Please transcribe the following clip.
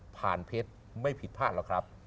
ผ่านเพชรไม่ผิดพลาดหรอกครับ